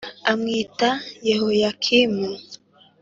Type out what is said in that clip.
amwita Yehoyakimu